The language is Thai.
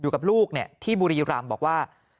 อยู่กับลูกที่บุรีรำบอกว่า